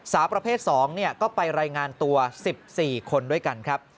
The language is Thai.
สาวประเภท๒ก็ไปรายงานตัว๑๔คนด้วยกันครับ